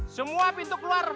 semua pintu keluar